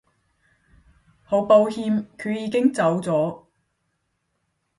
好抱歉佢已經走咗